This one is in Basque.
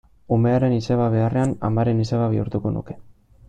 Umearen izeba beharrean, amaren izeba bihurtuko nuke.